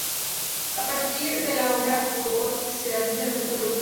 A partir de la obra de Foucault se analiza el aspecto productivo del poder.